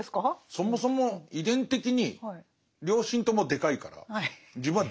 そもそも遺伝的に両親ともでかいから自分はでかいわけですよ。